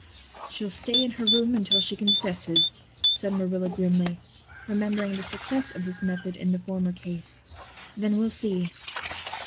"She'll stay in her room until she confesses," said Marilla grimly, remembering the success of this method in the former case. "Then we'll see.